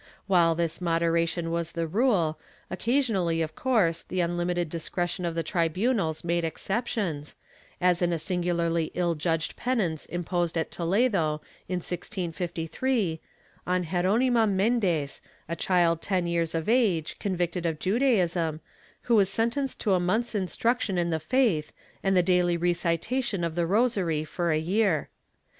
While this moderation was the rule, occasionally of course the unlimited discretion of the tribunals made exceptions, as in a singularly ill judged penance imposed at Toledo, in 1653, on Gero nima Mendes, a child ten years of age, convicted of Judaism, who was sentenced to a month's instruction in the faith and the daily recitation of the rosary for a year.